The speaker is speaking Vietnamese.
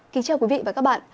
kính chào quý vị và các bạn